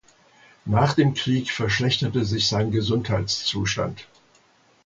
Nach dem Krieg verschlechterte sich sein Gesundheitszustand.